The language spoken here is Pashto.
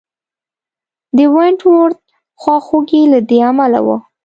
د ونټ ورت خواخوږي له دې امله وه.